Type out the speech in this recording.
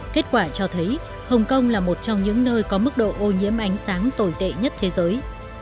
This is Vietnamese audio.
kết quả cho thấy hồng kông là một trong những nơi có mức độ ô nhiễm ánh sáng tồi tệ nhất thế giới